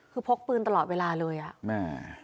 พึ่งพกปืนตลอดเวลาเลยอะ